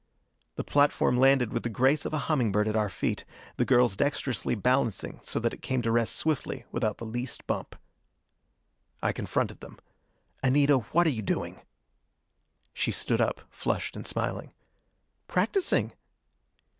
The platform landed with the grace of a humming bird at our feet, the girls dexterously balancing so that it came to rest swiftly, without the least bump. I confronted them. "Anita, what are you doing?" She stood up, flushed and smiling. "Practising."